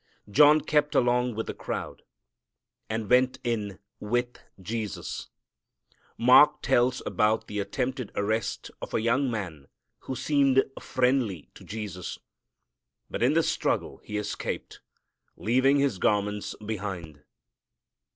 John kept along with the crowd, and went in "with Jesus." Mark tells about the attempted arrest of a young man who seemed friendly to Jesus, but in the struggle he escaped, leaving his garments behind.